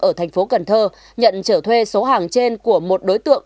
ở thành phố cần thơ nhận trở thuê số hàng trên của một đối tượng